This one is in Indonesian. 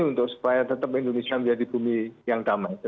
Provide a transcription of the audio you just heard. untuk supaya tetap indonesia menjadi bumi yang damai